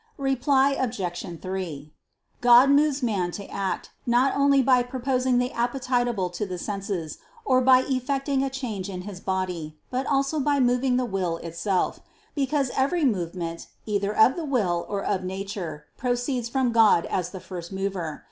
Reply Obj. 3: God moves man to act, not only by proposing the appetible to the senses, or by effecting a change in his body, but also by moving the will itself; because every movement either of the will or of nature, proceeds from God as the First Mover.